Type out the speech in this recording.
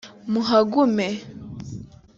muhagume